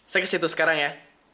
saya kesitu sekarang ya